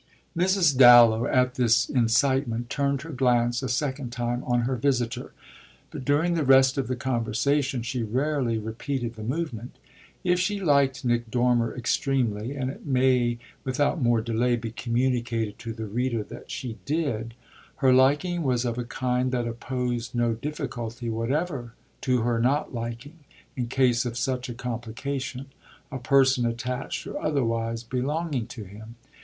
Mrs. Dallow, at this incitement, turned her glance a second time on her visitor; but during the rest of the conversation she rarely repeated the movement. If she liked Nick Dormer extremely and it may without more delay be communicated to the reader that she did her liking was of a kind that opposed no difficulty whatever to her not liking, in case of such a complication, a person attached or otherwise belonging to him.